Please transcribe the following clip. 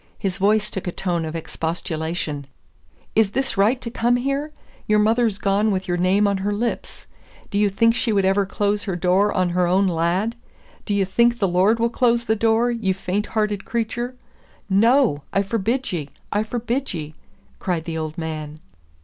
His voice took a tone of expostulation: "Is this right to come here? Your mother's gone with your name on her lips. Do you think she would ever close her door on her own lad? Do ye think the Lord will close the door, ye faint hearted creature? No! I forbid ye! I forbid ye!" cried the old man.